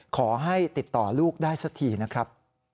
ขอให้ติดต่อลูกได้สักทีนะครับ